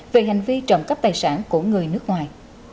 về hành vi trộm cắp tài sản của người nước ngoài